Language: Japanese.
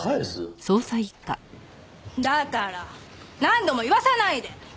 だから何度も言わさないで！